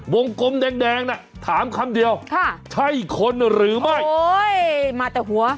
กลมแดงแดงน่ะถามคำเดียวค่ะใช่คนหรือไม่โอ้ยมาแต่หัว